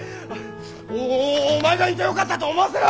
おおおお前がいてよかったと思わせろ！